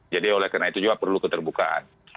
jadi oleh karena itu juga perlu keterbukaan